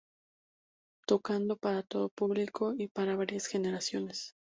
Tocando para todo público y para varias generaciones.